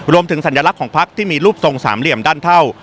รวมถึงศัลย์รักษณ์ของพักษณ์ที่มีรูปทรงสามเหลี่ยมด้านเท่า